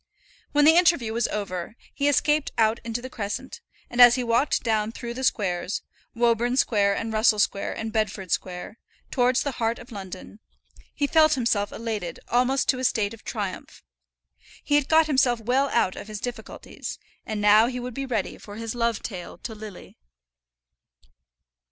When the interview was over, he escaped out into the crescent, and as he walked down through the squares, Woburn Square, and Russell Square, and Bedford Square, towards the heart of London, he felt himself elated almost to a state of triumph. He had got himself well out of his difficulties, and now he would be ready for his love tale to Lily.